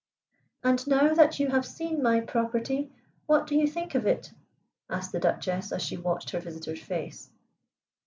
"And now that you have seen my property, what do you think of it?" asked the Duchess as she watched her visitor's face.